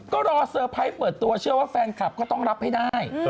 ก็รอเซอร์ไพรส์เปิดตัวเชื่อว่าแฟนคลับก็ต้องรับให้ได้